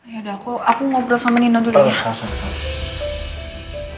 ya udah aku ngobrol sama nino dulu ya